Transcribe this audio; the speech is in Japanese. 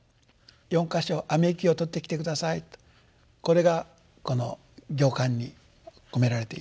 ４か所雨雪を取ってきて下さいとこれがこの行間に込められています。